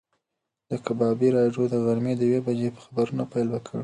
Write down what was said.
د کبابي راډیو د غرمې د یوې بجې په خبرونو پیل وکړ.